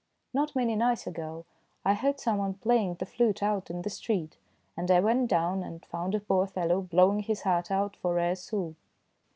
Not many nights ago I heard some one play ing the flute out in the street, and I went down and found a poor fellow blowing his heart out for rare sous.